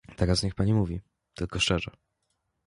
"Teraz niech pani mówi, tylko szczerze!"